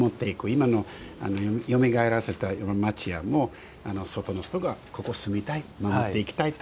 今のよみがえらせた町家も外の人がここに住みたい守っていきたいと。